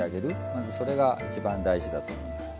まずそれが一番大事だと思います。